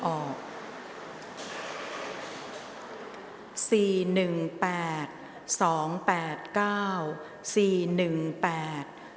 ออกรางวัลที่๖เลขที่๗